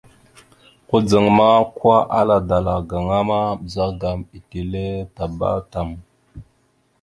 Kudzaŋ ma, kwa, ala dala gaŋa ma, ɓəzagaam etelle tabá tam.